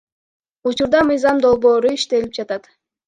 Учурда мыйзам долбоору иштелип жатат.